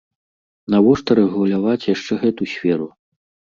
Навошта рэгуляваць яшчэ гэту сферу?